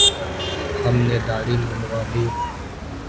ہم نے دھاڑی منڈوادی